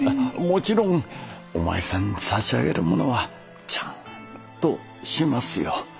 もちろんお前さんに差し上げるものはちゃんとしますよ。